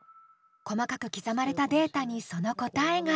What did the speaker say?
細かく刻まれたデータにその答えが。